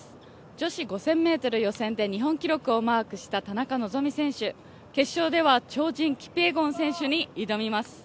女子５０００ｍ予選で日本記録をマークした田中希実選手、決勝では超人キピエゴン選手に挑みます。